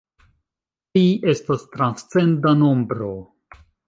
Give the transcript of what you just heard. Pi estas transcenda nombro.